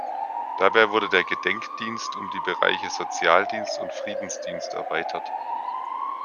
Dabei wurde der Gedenkdienst um die Bereiche Sozialdienst und Friedensdienst erweitert.